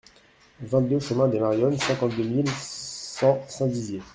vingt-deux chemin des Morionnes, cinquante-deux mille cent Saint-Dizier